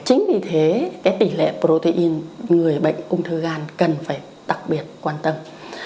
chính vì thế tỷ lệ protein người bệnh ung thư gan cần phải đặc biệt quan tâm